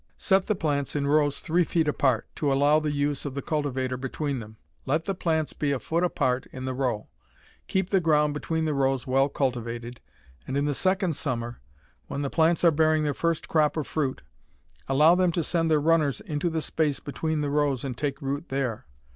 Set the plants in rows three feet apart, to allow the use of the cultivator between them. Let the plants be a foot apart in the row. Keep the ground between the rows well cultivated, and in the second summer, when the plants are bearing their first crop of fruit, allow them to send their runners into the space between the rows and take root there.